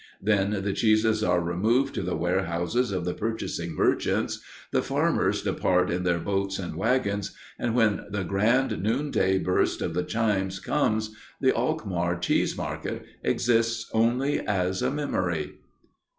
Then the cheeses are removed to the warehouses of the purchasing merchants, the farmers depart in their boats and wagons, and when the grand noonday burst of the chimes comes the Alkmaar cheese market exists only as a memory.